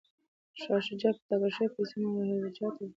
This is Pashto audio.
شاه شجاع به ټاکل شوې پیسې مهاراجا ته ورکوي.